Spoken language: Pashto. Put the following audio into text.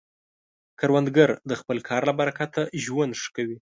کروندګر د خپل کار له برکته ژوند ښه کوي